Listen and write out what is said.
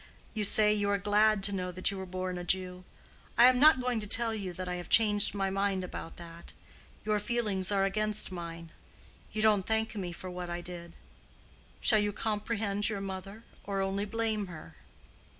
You say you are glad to know that you were born a Jew. I am not going to tell you that I have changed my mind about that. Your feelings are against mine. You don't thank me for what I did. Shall you comprehend your mother, or only blame her?"